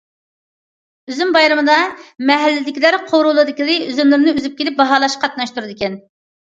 ئۈزۈم بايرىمىدا مەھەللىدىكىلەر قورۇلىرىدىكى ئۈزۈملىرىنى ئۈزۈپ كېلىپ، باھالاشقا قاتناشتۇرىدىكەن.